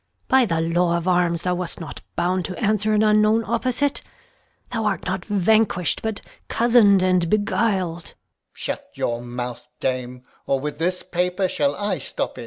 By th' law of arms thou wast not bound to answer An unknown opposite. Thou art not vanquish'd, But cozen'd and beguil'd. Alb. Shut your mouth, dame, Or with this paper shall I stop it.